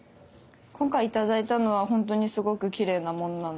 今回頂いたのは本当にすごくきれいなものなので。